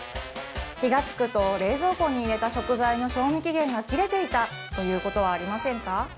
気が付くと冷蔵庫に入れた食材の賞味期限が切れていたということはありませんか？